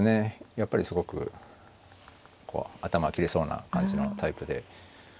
やっぱりすごく頭切れそうな感じのタイプで。